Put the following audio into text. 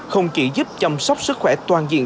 không chỉ giúp chăm sóc sức khỏe toàn diện